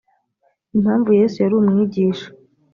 impamvu yesu yari umwigisha